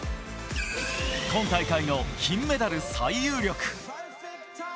今大会の金メダル最有力。